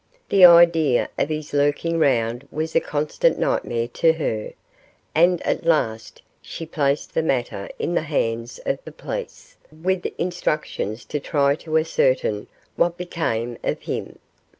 The idea of his lurking round was a constant nightmare to her, and at last she placed the matter in the hands of the police, with instructions to try to ascertain what became of him.